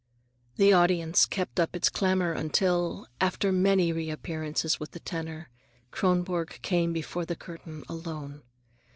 The audience kept up its clamor until, after many reappearances with the tenor, Kronborg came before the curtain alone.